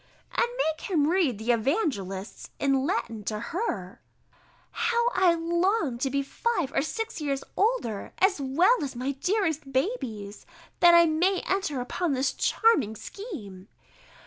_] "and make him read the Evangelists in Latin to her." [_How I long to be five or six years older, as well as my dearest babies, that I may enter upon this charming scheme!